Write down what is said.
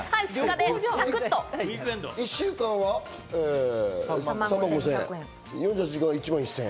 １週間は３万５０００円、４８時間は１万１０００円。